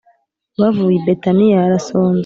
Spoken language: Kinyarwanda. Bavuye i Betaniya arasonza